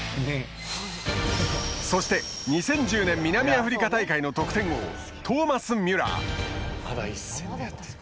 そして、２０１０年南アフリカ大会の得点王トーマス・ミュラー。